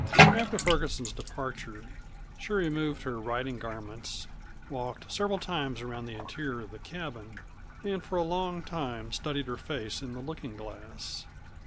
After Ferguson's departure she removed her riding garments, walked several times around the interior of the cabin, and for a long time studied her face in the looking glass.